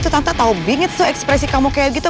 tante tau dingin tuh ekspresi kamu kayak gitu